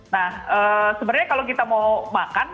nah sebenarnya kalau kita mau makan